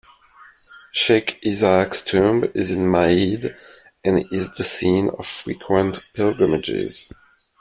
Sheikh Isaaq's tomb is in Maydh, and is the scene of frequent pilgrimages.